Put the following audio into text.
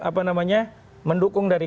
apa namanya mendukung dari